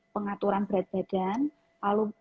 pengaturan berat badan lalu